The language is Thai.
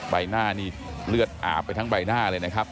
ใบหน้านี่เลือดอาบไปทั้งใบหน้าเลยนะครับ